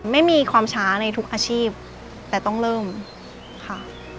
ไม่มีความช้าในทุกอาชีพแต่ต้องเริ่มค่ะ